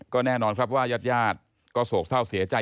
ก็แน่นอนครับว่ายาดก็โศกเศร้าเสียใจ